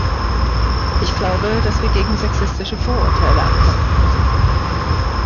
Ich glaube, dass wir gegen sexistische Vorurteile ankämpfen müssen.